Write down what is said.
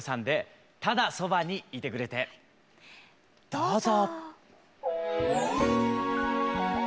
どうぞ！